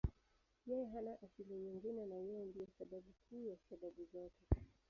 Yeye hana asili nyingine na Yeye ndiye sababu kuu ya sababu zote.